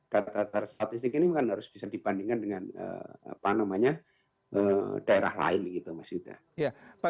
data data statistik ini kan harus bisa dibandingkan dengan apa namanya daerah lain itu masih udah ya pak